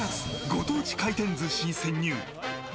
ご当地回転寿司に潜入！